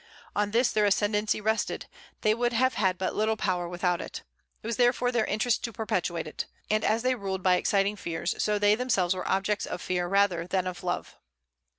On this their ascendency rested; they would have had but little power without it. It was therefore their interest to perpetuate it. And as they ruled by exciting fears, so they themselves were objects of fear rather than of love.